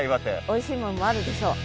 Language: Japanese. おいしいものもあるでしょう。